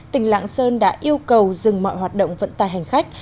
tỉnh lạng sơn đã yêu cầu dừng mọi hoạt động vận tài hành khách